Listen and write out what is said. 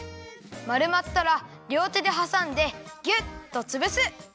まるまったらりょうてではさんでギュッとつぶす！